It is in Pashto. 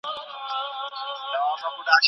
دولتي ادارې باید څنګه تنظیم سي؟